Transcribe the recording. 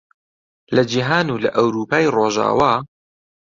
لە جیهان و لە ئەورووپای ڕۆژاوا